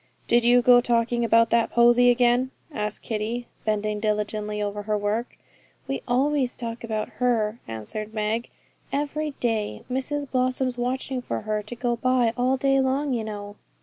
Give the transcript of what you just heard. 'Did you go talking about that Posy again?' asked Kitty, bending diligently over her work. 'We always talk about her,' answered Meg, 'every day. Mrs Blossom's watching for her to go by all day long, you know.'